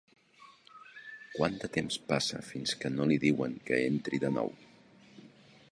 Quant de temps passa fins que no li diuen que entri de nou?